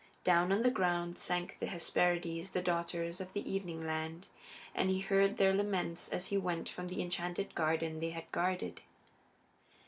Down on the ground sank the Hesperides, the Daughters of the Evening Land, and he heard their laments as he went from the enchanted garden they had guarded.